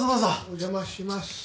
お邪魔します。